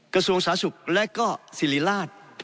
กระทรวงศาสุรัติ์และก็ซิริราติ